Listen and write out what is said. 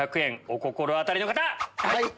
お心当たりの方！